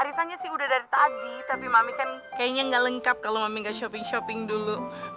arisannya sih udah dari tadi tapi mami kan kayaknya nggak lengkap kalau mami gak shopping shopping dulu